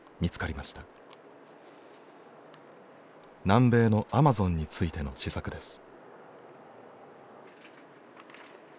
南米のアマゾンについての思索です。